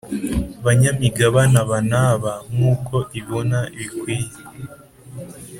banyamigabane aba n aba nk uko ibona bikwiye